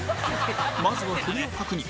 まずは振りを確認